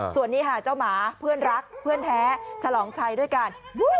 ส่วนนี้ค่ะเจ้าหมาเพื่อนรักเพื่อนแท้ฉลองชัยด้วยกัน